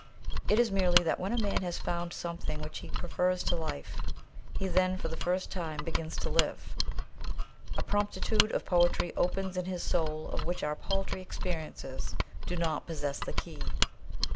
It is merely that when a man has found something which he prefers to life, he then for the first time begins to live. A promptitude of poetry opens in his soul of which our paltry experi ences do not possess the key.